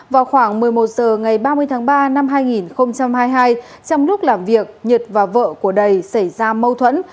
vào khoảng một mươi một h ngày ba mươi tháng ba năm hai nghìn hai mươi hai trong lúc làm việc nhật và vợ của đầy xảy ra mâu thuẫn